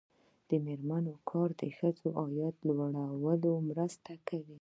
د میرمنو کار د ښځو عاید لوړولو مرسته کوي.